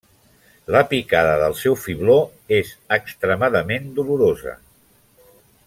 La picada del seu fibló és extremadament dolorosa.